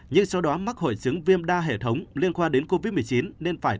nhưng sau đó mắc hội chứng viêm đa hệ thống liên quan đến covid một mươi chín nên phải